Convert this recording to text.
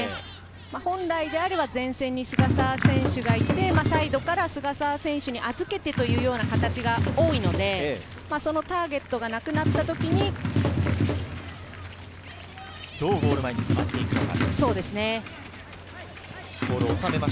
本来なら前線に菅澤選手がいて、サイドから菅澤選手に預けてというような形が多いので、そのターどうゴール前に迫っていくのか。